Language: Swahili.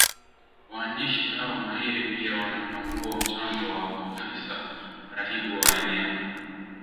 Waandishi hawa mahiri pia wanatambua mchango wa Maafisa Waratibu wa eneo